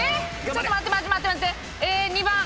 ちょっと待って。